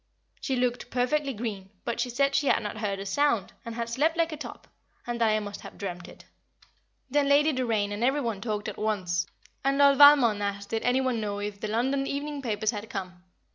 She looked perfectly green, but she said she had not heard a sound, and had slept like a top, and that I must have dreamt it. Then Lady Doraine and every one talked at once, and Lord Valmond asked did any one know if the London evening papers had come.